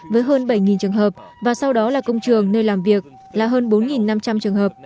với hơn bảy trường hợp và sau đó là công trường nơi làm việc là hơn bốn năm trăm linh trường hợp